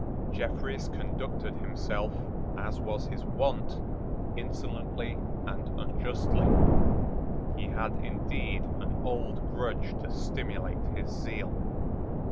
Jeffreys conducted himself, as was his wont, insolently and unjustly. He had indeed an old grudge to stimulate his zeal.